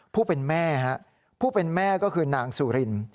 ผู้เป็นแม่ผู้เป็นแม่ก็คือนางสุริน